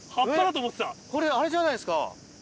これあれじゃないですか。